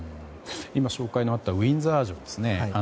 今、紹介のあったウィンザー城ですね。